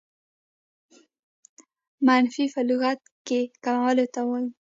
منفي په لغت کښي کمولو ته وايي.